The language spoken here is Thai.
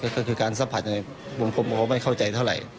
ก็คือการสัมผัสในวงคลมของเขาไม่เข้าใจเท่าไหร่